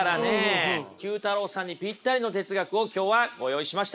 ９太郎さんにぴったりの哲学を今日はご用意しました。